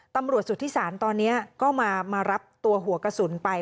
ตำรวจสุทธิษฐานตอนนี้ก็มารับตัวหัวกระสุนไป